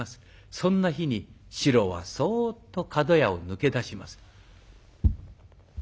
そんな日に白はそうっと角屋を抜け出します。